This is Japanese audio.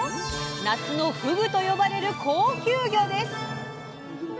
「夏のふぐ」と呼ばれる高級魚です！